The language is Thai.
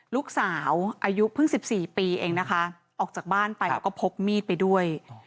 ลูกสาวอายุเพิ่ง๑๔ปีเองนะคะออกจากบ้านไปแล้วก็พกมีดไปด้วย